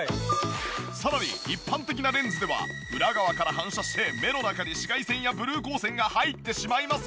さらに一般的なレンズでは裏側から反射して目の中に紫外線やブルー光線が入ってしまいますが。